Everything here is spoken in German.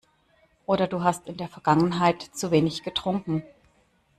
Oder du hast in der Vergangenheit zu wenig getrunken.